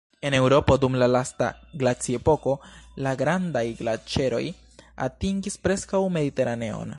En Eŭropo dum la lasta glaciepoko la grandaj glaĉeroj atingis preskaŭ Mediteraneon.